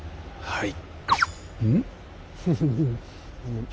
はい！